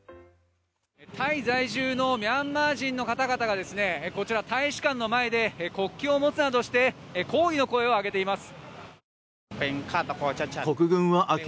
タイ在住のミャンマー人の方々がこちら大使館の前で国旗を持つなどして抗議の声を上げています。